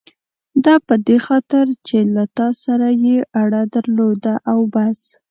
دا په دې خاطر چې له تا سره یې اړه درلوده او بس.